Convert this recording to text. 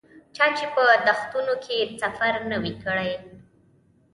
چا چې په دښتونو کې سفر نه وي کړی.